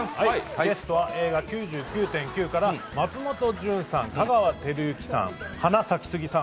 ゲストは映画「９９．９」から松本潤さん、香川照之さんはなさきすぎさん